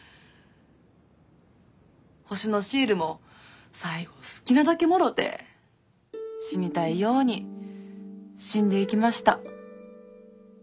星のシールも最後好きなだけもろて死にたいように死んでいきました。